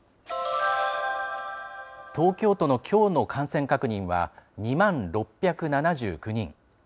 東京都のきょうの感染確認は、２万６７９人。